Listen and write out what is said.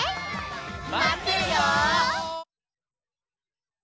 まってるよ！